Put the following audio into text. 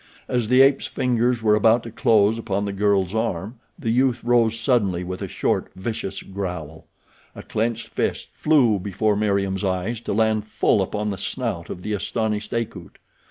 As the ape's fingers were about to close upon the girl's arm the youth rose suddenly with a short, vicious growl. A clenched fist flew before Meriem's eyes to land full upon the snout of the astonished Akut.